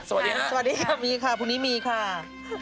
สวัสดีครับพรุ่งนี้มีค่ะ